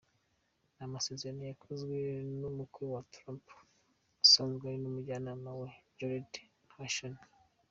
Ni amasezerano yakozweho n’umukwe wa Trump usanzwe ari n’umujyanama we, Jared Kushner.